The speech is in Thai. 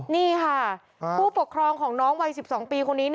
นี่ค่ะผู้ปกครองของน้องวัย๑๒ปีคนนี้